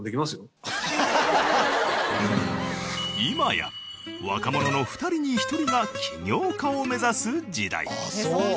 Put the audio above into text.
今や若者の２人に１人が起業家を目指す時代。